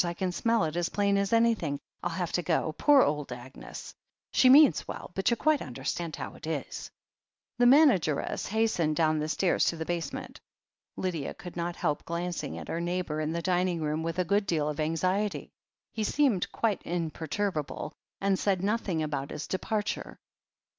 I can smell it as plain as anything. I'll have to go. Poor old Agnes! she means well but you quite understand how it is " The manageress hastened down the stairs to the base ment. Lydia could not help glancing at her neighbour in the dining room with a good deal of anxiety. He seemed quite imperturbable, and said nothing about his departure.